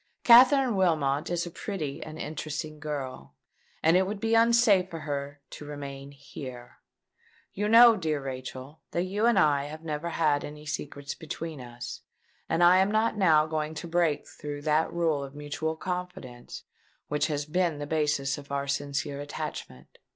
Katherine Wilmot is a pretty and interesting girl; and it would be unsafe for her to remain here. You know, dear Rachel, that you and I have never had any secrets between us; and I am not now going to break through that rule of mutual confidence which has been the basis of our sincere attachment.